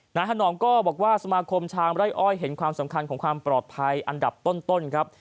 ถนนองก็บอกว่าสมาคมชามไร่อ้อยเห็นความสำคัญของความปลอดภัยอันดับต้นครับ